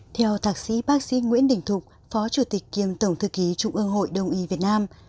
theo thạc sĩ bác sĩ nguyễn đình thục phó chủ tịch kiêm tổng thư ký trung ương hội đồng y việt nam